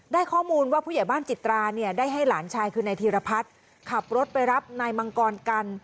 ได้ข้อมูลว่าผู้ใหญ่บ้านจิตราเนี่ยได้ให้หลานชายคือนายธีรพัฒน์ขับรถไปรับนายมังกรกัน